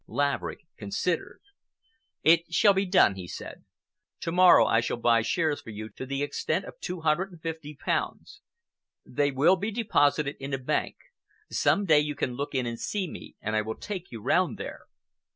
Laverick considered. "It shall be done," he said. "To morrow I shall buy shares for you to the extent of two hundred and fifty pounds. They will be deposited in a bank. Some day you can look in and see me, and I will take you round there.